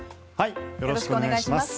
よろしくお願いします。